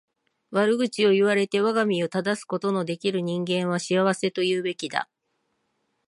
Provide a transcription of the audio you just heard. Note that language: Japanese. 悪口を言われて我が身を正すことの出来る人間は幸せと言うべきだ。